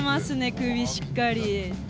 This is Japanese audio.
首をしっかり。